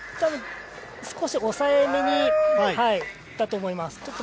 少し抑えめにいったと思います。